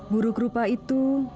buruk rupa itu